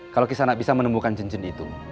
kalau kisah anak bisa menemukan cincin itu